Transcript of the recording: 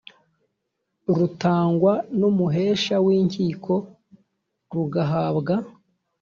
rutangwa n umuhesha w inkiko rugahabwa